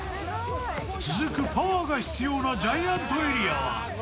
続くパワーが必要なジャイアントエリア。